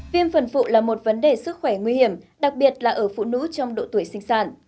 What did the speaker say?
viêm phần phụ là một vấn đề sức khỏe nguy hiểm đặc biệt là ở phụ nữ trong độ tuổi sinh sản